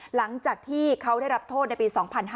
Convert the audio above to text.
หลังจากที่เขาได้รับโทษในปี๒๕๕๙